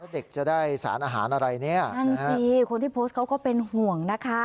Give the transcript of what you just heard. เด็กจะได้สารอาหารอะไรเนี่ยนั่นสิคนที่โพสต์เขาก็เป็นห่วงนะคะ